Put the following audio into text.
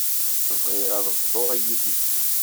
Bɣiɣ ad t-bḍuɣ yid-k.